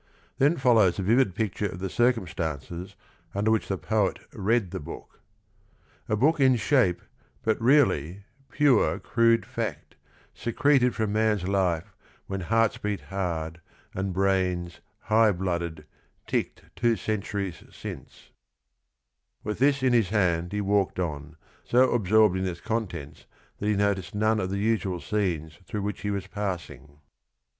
Then follows a vivid picture of the circumstances under which the poet read the book :— "A book in shape but, really, pure crude fact Secreted from man's life when hearts Seat hard, And brains, high blooded, ticked two centuries since." METHOD AND THE SPIRIT 19 With this in his hand he walked on, so absorbed in its contents that he noticed none of the usual scenes through which he was passing.